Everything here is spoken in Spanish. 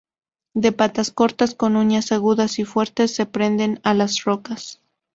De patas cortas con uñas agudas y fuertes, se prenden a las rocas.